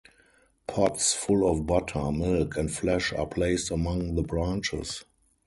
Pots full of butter, milk, and flesh are placed among the branches.